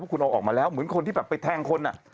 คุณเอาออกมาแล้วเหมือนคนที่แบบไปแทงคน